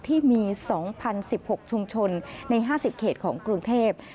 ที่มี๒๐๑๖ชุมชนใน๕๐เขตของกรุงเทพ